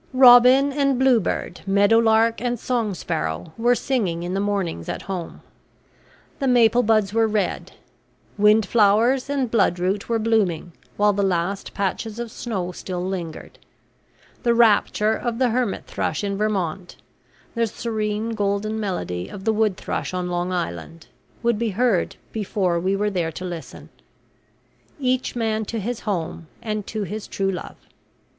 Robin and bluebird, meadow lark and song sparrow, were singing in the mornings at home; the maple buds were red; windflowers and bloodroot were blooming while the last patches of snow still lingered; the rapture of the hermithrush in Vermont, the serene golden melody of the woodthrush on Long Island, would be heard before we were there to listen. Each man to his home, and to his true love!